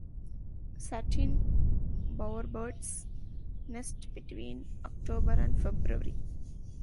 Satin bowerbirds nest between October and February.